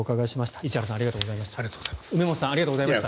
石原さん、梅本さんありがとうございました。